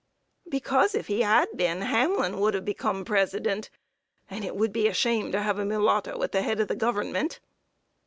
"Because, if he had been, Hamlin would become President, and it would be a shame to have a mulatto at the head of the Government."